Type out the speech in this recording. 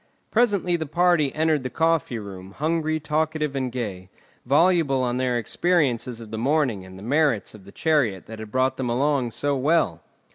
Presently the party entered the coffee room, hungry, talkative, and gay, voluble on their experiences of the morning and the merits of the chariot that had brought them along so well.